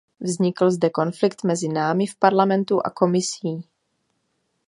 Vznikl zde konflikt mezi námi v Parlamentu a Komisí.